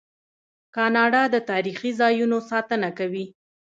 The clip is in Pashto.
کاناډا د تاریخي ځایونو ساتنه کوي.